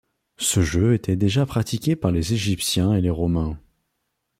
Ce jeu était déjà pratiqué par les Égyptiens et les Romains.